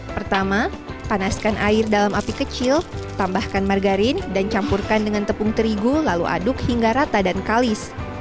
pertama panaskan air dalam api kecil tambahkan margarin dan campurkan dengan tepung terigu lalu aduk hingga rata dan kalis